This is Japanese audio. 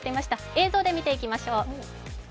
映像で見ていきましょう。